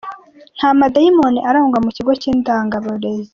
Nta madayimoni arangwa mukigo cy’Indangaburezi